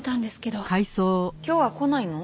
今日は来ないの？